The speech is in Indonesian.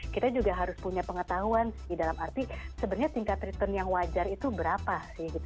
kita juga harus punya pengetahuan sih dalam arti sebenarnya tingkat return yang wajar itu berapa sih